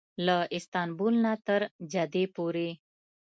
له استانبول نه تر جدې پورې.